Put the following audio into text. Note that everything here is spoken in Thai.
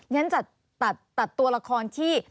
งั้นจะตัดตัดตัดตัวละครที่